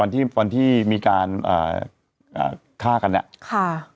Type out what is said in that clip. ที่มีการฆ่ากันเนี่ย